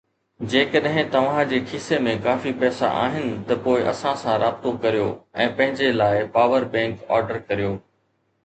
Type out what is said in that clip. جيڪڏهن توهان جي کيسي ۾ ڪافي پئسا آهن ته پوءِ اسان سان رابطو ڪريو ۽ پنهنجي لاءِ پاور بئنڪ آرڊر ڪريو